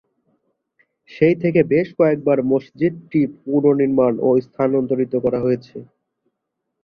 সেই থেকে বেশ কয়েকবার মসজিদটি পুনঃনির্মাণ ও স্থানান্তরিত করা হয়েছে।